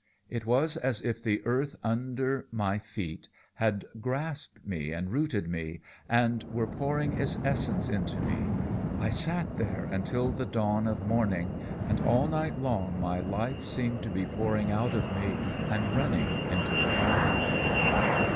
It was as if the earth under my feet had grasped and rooted me, and were pouring its essence into me. I sat there until the dawn of morning, and all night long my life seemed to be pouring out of me and running into the ground."